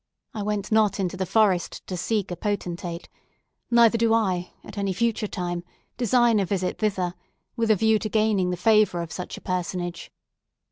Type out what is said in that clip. I went not into the forest to seek a potentate, neither do I, at any future time, design a visit thither, with a view to gaining the favour of such personage.